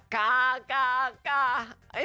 กากากา